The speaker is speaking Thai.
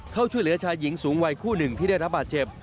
เข้าช่วยเหลือชายหญิงสูงวัยคู่หนึ่งที่ได้รับบาดเจ็บ